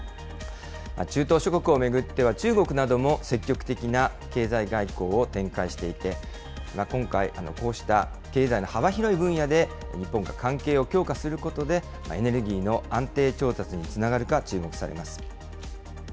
中東諸国を巡っては、中国なども積極的な経済外交を展開していて、今回、こうした、経済の幅広い分野で日本が関係を強化することで、エネルギーの安定調達につながるか注目されます。